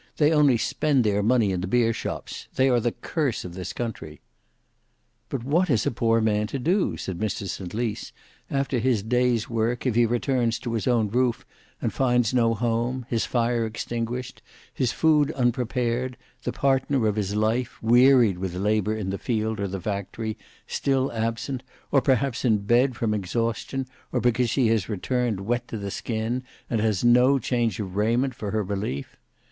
They only spend their money in the beer shops. They are the curse of this country." "But what is a poor man to do," said Mr St Lys; "after his day's work if he returns to his own roof and finds no home: his fire extinguished, his food unprepared; the partner of his life, wearied with labour in the field or the factory, still absent, or perhaps in bed from exhaustion, or because she has returned wet to the skin, and has no change of raiment for her relief.